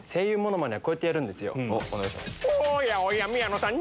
おやおや宮野さん